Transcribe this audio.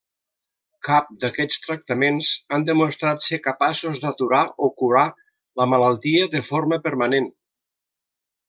Cap d'aquests tractaments han demostrat ser capaços d'aturar o curar la malaltia de forma permanent.